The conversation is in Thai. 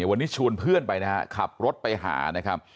วันนี้ชวนเพื่อนไปนะฮะขับรถไปหานะครับ